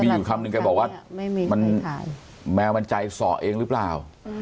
อยู่คำนึงแกบอกว่ามันแมวมันใจสอเองหรือเปล่า